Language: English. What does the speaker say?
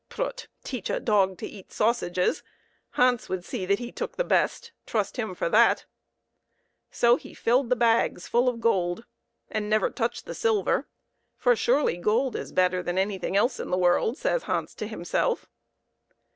Prut ! teach a dog to eat sausages. Hans would see that he took the best, trust him for that. So he filled the bags full of gold, and never touched the silver for, surely, gold is better than anything else in the world, says Hans to himself.